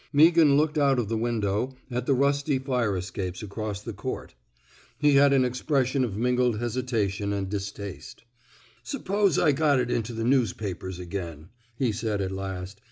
Meaghan looked out of the window at the rusty fire escapes across the court. He had an expression of mingled hesitation and dis taste. Suppose I got it into the news papers again," he said at last.